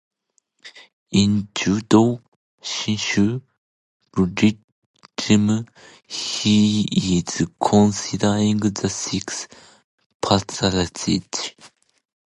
In Jodo Shinshu Buddhism, he is considered the Sixth Patriarch.